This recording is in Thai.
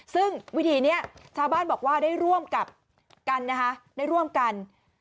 ซึ่งวิธีนี้ชาวบ้านบอกว่าได้ร่วมกับกันนะคะได้ร่วมกัน